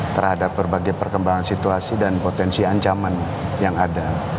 terhadap berbagai perkembangan situasi dan potensi ancaman yang ada